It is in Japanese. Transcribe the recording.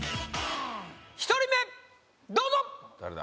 １人目どうぞ誰だ？